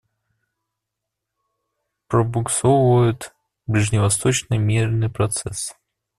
Пробуксовывает ближневосточный мирный процесс.